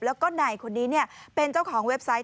แล้วก็นายคนนี้เป็นเจ้าของเว็บไซต์